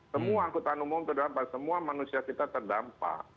semua angkutan umum terdampak semua manusia kita terdampak